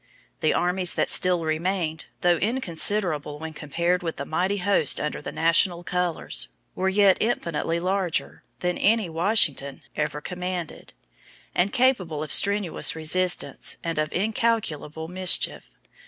The armies that still remained, though inconsiderable when compared with the mighty host under the national colors, were yet infinitely larger than any Washington ever commanded, and capable of strenuous resistance and of incalculable mischief.